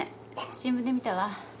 新聞で見たわ。